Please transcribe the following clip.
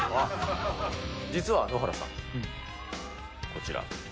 実は野原さん、こちら。